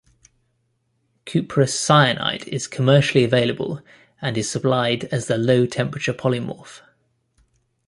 Cuprous cyanide is commercially available and is supplied as the low-temperature polymorph.